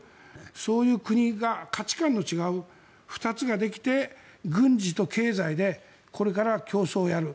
そういう国が価値観の違う２つができて軍事と経済でこれから競争をやる。